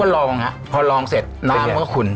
พอลองฮะพอลองเสร็จว่าน้ำก็ขุน